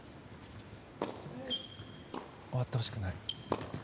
終わってほしくない。